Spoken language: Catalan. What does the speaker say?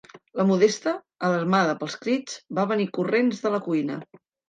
La Modesta, alarmada pels crits, va venir corrents de la cuina.